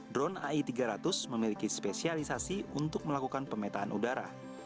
drone ai tiga ratus memiliki spesialisasi untuk melakukan pemetaan udara